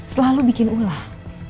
selalu bikin ulah